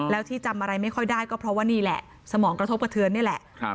แล้วที่จำอะไรไม่ค่อยได้ก็เพราะว่านี่แหละสมองกระทบกระเทือนนี่แหละ